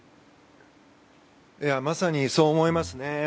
まさにそう思いますね。